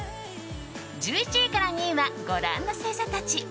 １１位から２位はご覧の星座たち。